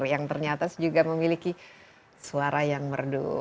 yang ternyata juga memiliki suara yang merdu